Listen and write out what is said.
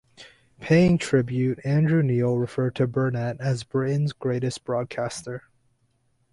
Paying tribute, Andrew Neil referred to Burnet as "Britain's greatest broadcaster".